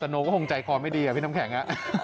สโน่ก็ห่วงใจขอไม่ดีอะพี่น้ำแข็ง